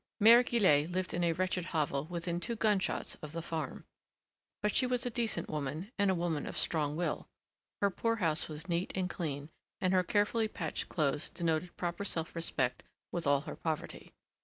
Mère Guillette lived in a wretched hovel within two gunshots of the farm. But she was a decent woman and a woman of strong will. Her poor house was neat and clean, and her carefully patched clothes denoted proper self respect with all her poverty.